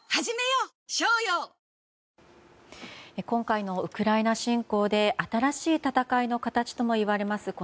今回のウクライナ侵攻で新しい戦いの形といわれます